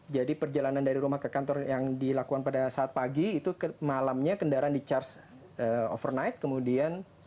jadi perjalanan dari rumah ke kantor yang dilakukan pada saat pagi itu malamnya kendaraan dichargen overnight kemudian diisi brown's k sandlern casa muda